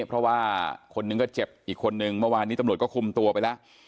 เพราะว่าคนหนึ่งก็เจ็บอีกคนนึงเมื่อวานนี้ตำรวจก็คุมตัวไปแล้ว